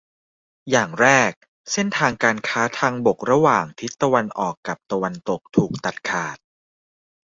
อย่างแรก เส้นทางการค้าทางบกระหว่างทิศตะวันออกกับตะวันตกถูกตัดขาด